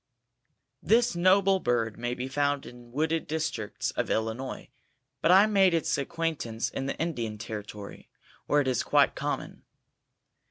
This noble bird may be found in wooded districts of Illinois, but I made its acquaintance in the Indian Territory, where it is quite common.